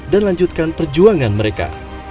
dan lanjutkan perjuangan mereka